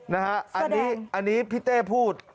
นะฮะอันนี้พี่เต้พูด